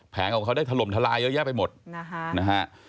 ของเขาได้ถล่มทลายเยอะแยะไปหมดนะฮะ